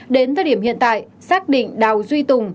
đến thời điểm hiện tại xác định đào duy tùng